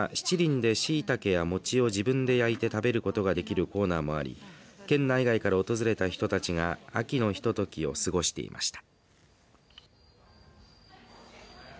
しちりんで、しいたけや餅を焼いて食べることができるコーナーもあり県内外から訪れた人たちが秋のひとときを過ごしていました。